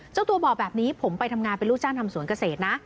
เจ้าตัวบอกแบบนี้ผมไปทำงานเป็นลูกจ้างทำสวนเกษตรนะ